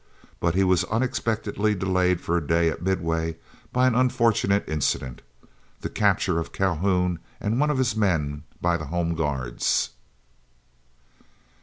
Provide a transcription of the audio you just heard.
But he was unexpectedly delayed for a day at Midway by an unfortunate incident, the capture of Calhoun and one of his men by the Home Guards.